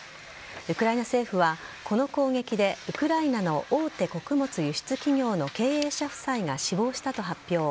ウクライナ政府は、この攻撃で、ウクライナの大手穀物輸出企業の経営者夫妻が死亡したと発表。